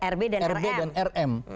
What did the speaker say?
rb dan rm